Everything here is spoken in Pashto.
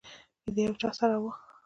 د یو چا سره وه.